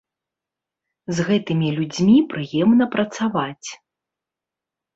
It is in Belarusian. З гэтымі людзьмі прыемна працаваць.